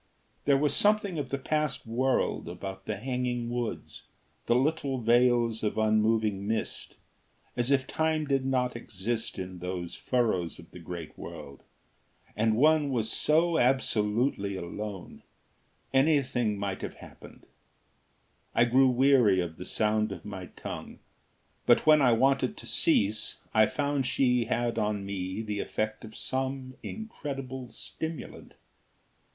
There was something of the past world about the hanging woods, the little veils of unmoving mist as if time did not exist in those furrows of the great world; and one was so absolutely alone; anything might have happened. I grew weary of the sound of my tongue. But when I wanted to cease, I found she had on me the effect of some incredible stimulant.